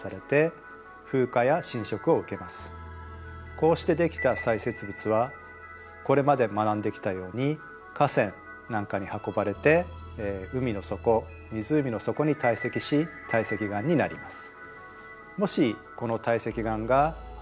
こうしてできた砕屑物はこれまで学んできたように河川なんかに運ばれて海の底湖の底に堆積し堆積岩になります。